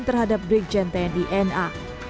terhadap brigjen tni n a